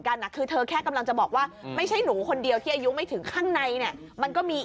ครับเขาก็มาเที่ยวใช่ไหม